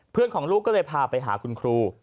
ของลูกก็เลยพาไปหาคุณครู